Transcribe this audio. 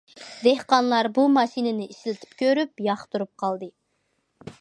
دېھقانلار بۇ ماشىنىنى ئىشلىتىپ كۆرۈپ ياقتۇرۇپ قالدى.